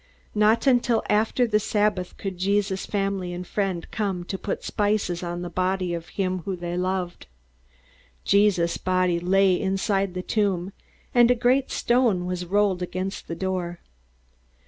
Not until after the Sabbath could Jesus' family and friends come to put spices on the body of him whom they loved. Jesus' body was laid inside the tomb, and a great stone was rolled against the door.